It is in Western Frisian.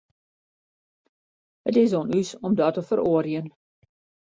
It is oan ús om dat te feroarjen.